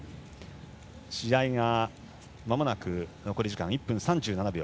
試合がまもなく残り時間１分３７秒。